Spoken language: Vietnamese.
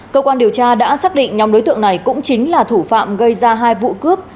cơ quan điều tra đã xác định nhóm đối tượng này cũng chính là thủ phạm gây ra hai vụ cướp